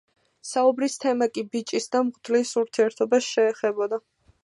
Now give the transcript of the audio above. საუბრის თემა კი ბიჭის და მღვდლის ურთიერთობას შეეხებოდა.